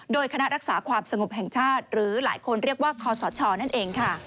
โดยคณะรักษาความสงบแห่งชาติหรือหลายคนเรียกว่าคอสชนั่นเองค่ะ